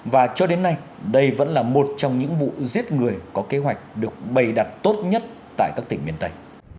và cho đến nay đây vẫn là một trong những vụ giết người có kế hoạch được bày đặt tốt nhất tại các tỉnh miền tây